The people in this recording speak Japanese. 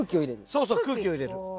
そうそう空気を入れる。